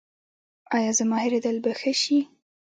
ایا زما هیریدل به ښه شي؟